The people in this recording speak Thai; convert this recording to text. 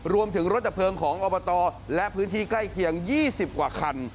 รวมถึงรถดับเพลิงของอบตและพื้นที่ใกล้เคียง๒๐กว่าคัน